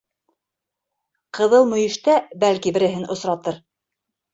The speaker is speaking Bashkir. «Ҡыҙыл мөйөш»тә, бәлки, береһен осратыр.